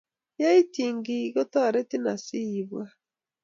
Ye iketchi kiy kotoretin asi ibwat.